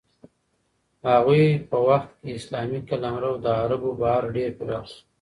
د هغوی په وخت کې اسلامي قلمرو له عربو بهر ډېر پراخ شو.